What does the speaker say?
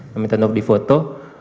meminta untuk di foto